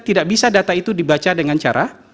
tidak bisa data itu dibaca dengan cara